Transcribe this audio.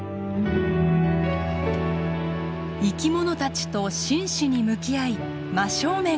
生きものたちと真摯に向き合い真正面から見つめる。